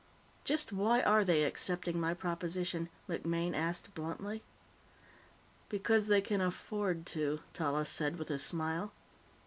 "Just why are they accepting my proposition?" MacMaine asked bluntly. "Because they can afford to," Tallis said with a smile.